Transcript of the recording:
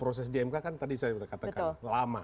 proses dmk kan tadi saya sudah katakan lama